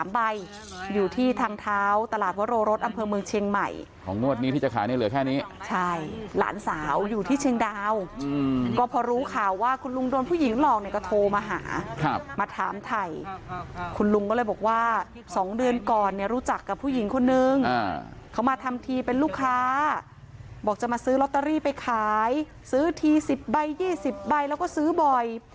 บอกจะมาซื้อล็อตเตอรี่ไปขายซื้อที๑๐ใบ๒๐ใบแล้วก็ซื้อบ่อย